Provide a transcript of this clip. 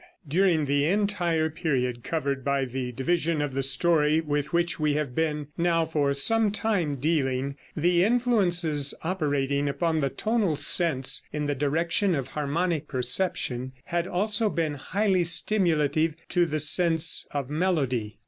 During the entire period covered by the division of the story with which we have been now for some time dealing, the influences operating upon the tonal sense in the direction of harmonic perception had also been highly stimulative to the sense of melody.